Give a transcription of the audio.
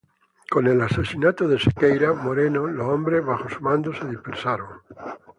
Con el asesinato de Sequeira Moreno, los hombres bajo su mando se dispersaron.